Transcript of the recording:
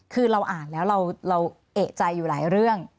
คือเราอ่านแล้วเราเอกใจอยู่หลายเรื่อง